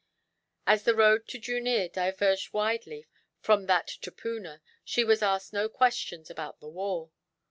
As the road to Jooneer diverged widely from that to Poona, she was asked no questions about the war.